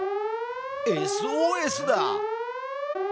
ＳＯＳだ！